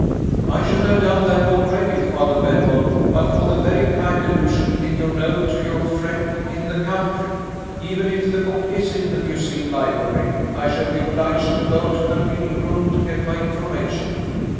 "I should have done that already, Father Benwell, but for the very kind allusion in your note to your friend in the country. Even if the book is in the Museum Library, I shall be obliged to go to the Reading Room to get my information.